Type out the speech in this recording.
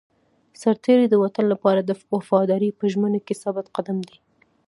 سرتېری د وطن لپاره د وفادارۍ په ژمنه کې ثابت قدم دی.